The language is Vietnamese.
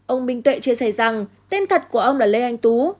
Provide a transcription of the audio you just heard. ông minh tuệ chia sẻ rằng tên thật của ông là lê anh tú